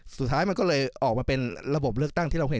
สุดท้ายมันก็เลยออกมาเป็นระบบเลือกตั้งที่เราเห็น